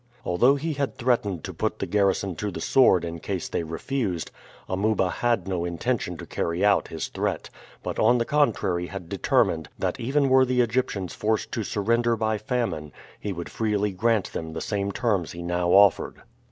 Although he had threatened to put the garrison to the sword in case they refused, Amuba had no intention to carry out his threat, but on the contrary had determined that even were the Egyptians forced to surrender by famine he would freely grant them the same terms he now offered.